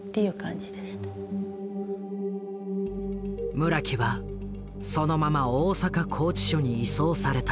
村木はそのまま大阪拘置所に移送された。